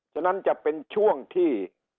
ฉะนั้นจะเป็นช่วงที่